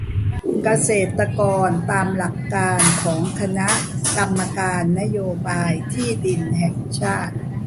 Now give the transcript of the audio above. เกษตรกรตามหลักการของคณะกรรมการนโยบายที่ดินแห่งชาติ